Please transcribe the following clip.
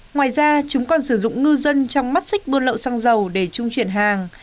ngoài ra chúng còn sử dụng ngư dân trong mắt xích buôn lậu xăng dầu để trung chuyển hàng